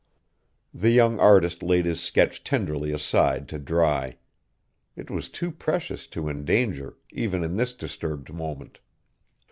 The young artist laid his sketch tenderly aside to dry. It was too precious to endanger, even in this disturbed moment.